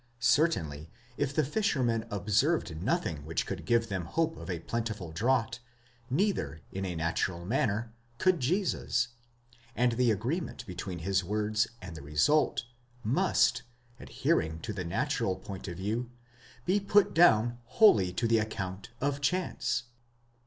Certainly if the fishermen observed nothing which could give them hope ofa plentiful draught, neither in a natural manner could Jesus; and the agreement between his words and the result, must, adhering to the natural point of view, be put down wholly to the account of chance.